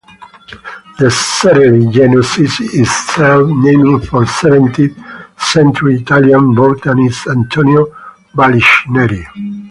The celery genus is itself named for seventeenth century Italian botanist Antonio Vallisneri.